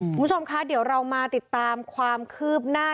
คุณผู้ชมคะเดี๋ยวเรามาติดตามความคืบหน้า